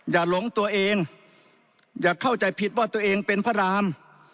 หลงตัวเองอย่าเข้าใจผิดว่าตัวเองเป็นพระราม